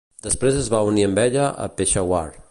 Després es va unir amb ella a Peshawar.